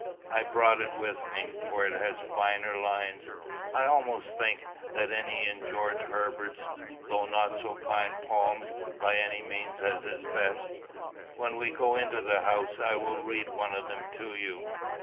I brought it with me, for it has finer lines, I almost think, than any in George Herbert, though not so fine poems by any means as his best. When we go into the house I will read one of them to you."